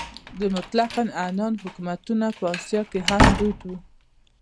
د مطلق العنان حکومتونه په اسیا کې هم دود وو.